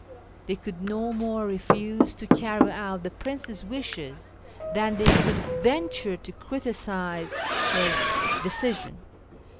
They could no more refuse to carry out the Prince's wishes than they could venture to criticise his decision.